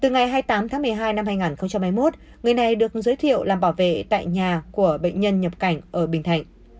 ngày hai mươi tám tháng một mươi hai năm hai nghìn hai mươi một người này được giới thiệu làm bảo vệ tại nhà của bệnh nhân nhập cảnh ở bình thạnh